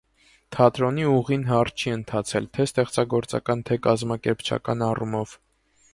Թատրոնի ուղին հարթ չի ընթացել թե ստեղծագործական, թե կազմակերպչական առումով։